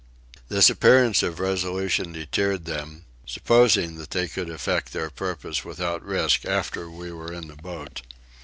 This appearance of resolution deterred them, supposing that they could effect their purpose without risk after we were in the boat.